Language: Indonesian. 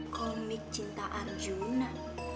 komik cinta arjuna